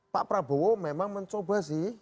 pak prabowo memang mencoba sih